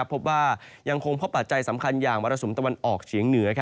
พบว่ายังคงพบปัจจัยสำคัญอย่างมรสุมตะวันออกเฉียงเหนือ